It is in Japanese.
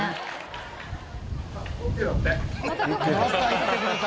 「また行ってくれた」